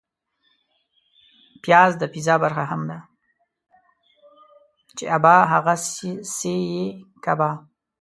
چي ابا ، هغه سي يې کبا.